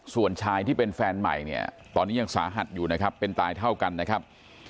ส่วนชายที่เป็นแฟนใหม่เนี่ยตอนนี้ยังสาหัสอยู่นะครับเป็นตายเท่ากันนะครับ